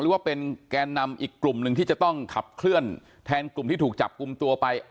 หรือว่าเป็นแกนนำอีกกลุ่มหนึ่งที่จะต้องขับเคลื่อนแทนกลุ่มที่ถูกจับกลุ่มตัวไป